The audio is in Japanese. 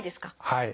はい。